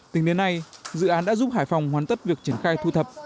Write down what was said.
tính đến nay dự án đã giúp hải phòng hoàn tất việc triển khai thu thập